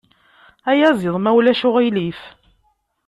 Ayaziḍ, ma ulac aɣilif.